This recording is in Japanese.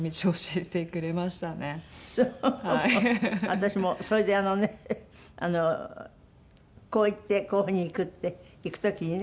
私もそれであのねこう行ってこういう風に行くって行く時にね。